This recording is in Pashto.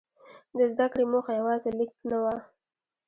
د زده کړې موخه یوازې لیک نه وه.